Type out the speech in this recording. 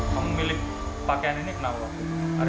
kamu milik pakaian ini kenapa